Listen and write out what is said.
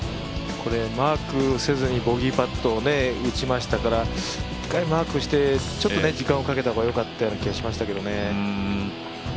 マークせずにボギーパットを打ちましたから１回マークしてちょっと時間かけた方が良かったような気がしますけどね。